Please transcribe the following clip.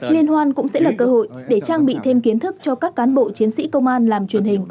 liên hoan cũng sẽ là cơ hội để trang bị thêm kiến thức cho các cán bộ chiến sĩ công an làm truyền hình